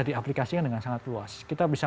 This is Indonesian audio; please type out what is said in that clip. diaplikasikan dengan sangat luas kita bisa